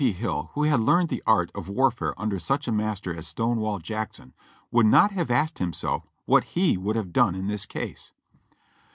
P. Hill, who had learned the art of warfare under such a master as Stonewall Jackson, would not have asked himself what he would have done in this case.